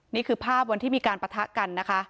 นี่คือภาพวันที่มีการปะทะกันนะคะ